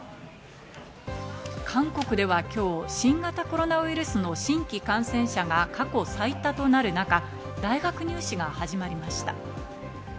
韓国では今日、新型コロナウイルスの新規感染者が過去最多となる中、大学入試が始まりました。